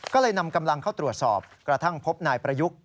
ก็เลยนำกำลังเข้าตรวจสอบกระทั่งพบนายประยุกต์